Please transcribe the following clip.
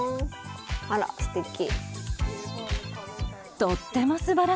あらすてき。